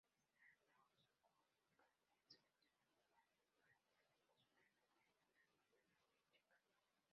Stanislaus Kostka fue seleccionado para dibujar los planes para la nueva catedral de Chicago.